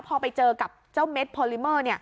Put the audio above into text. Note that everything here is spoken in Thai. พอไปเจอกับเจ้าเม็ดพอลิเมอร์